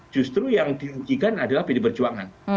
justru yang diujikan adalah pdi perjuangan